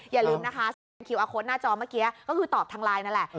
อย่าลืมนะคะซึ่งเป็นคิวอาร์โค้ดหน้าจอเมื่อกี้ก็คือตอบทางไลน์นั่นแหละ